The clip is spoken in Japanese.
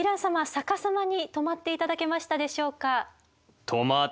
逆さまに止まって頂けましたでしょうか？